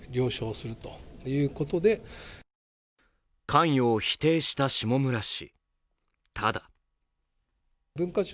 関与を否定した下村氏。